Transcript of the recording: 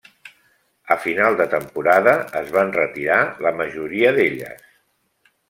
A final de temporada es van retirar la majoria d'elles.